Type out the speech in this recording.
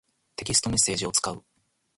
テキストメッセージを使う。